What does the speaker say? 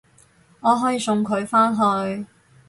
我可以送佢返去